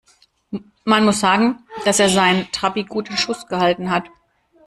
Man muss sagen, dass er seinen Trabi gut in Schuss gehalten hat.